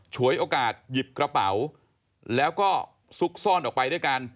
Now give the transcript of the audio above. ฉวยโอกาสหยิบกระเป๋าแล้วก็ซุกซ่อนออกไปด้วยกัน